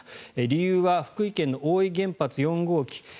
理由は福井県の大飯原発４号機。